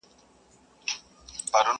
ډېر مرغان سوه د جرګې مخي ته وړاندي٫